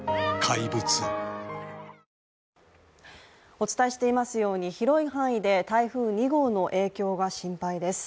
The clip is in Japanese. お伝えしていますように、広い範囲で台風２号の影響が心配です。